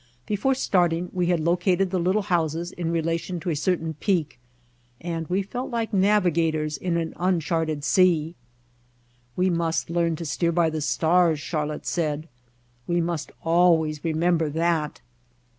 Before starting we had located the little houses in rela tion to a certain peak and we felt like navigators in an uncharted sea. "We must learn to steer by the stars," Char lotte said. "We must always remember that."